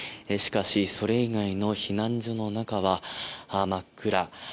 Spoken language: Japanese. しかしそれ以外の避難所の中は真っ暗。